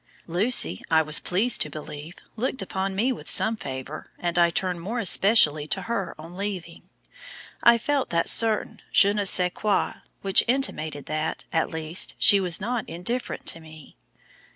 "Lucy, I was pleased to believe, looked upon me with some favour, and I turned more especially to her on leaving. I felt that certain 'Je ne sais quoi' which intimated that, at least, she was not indifferent to me."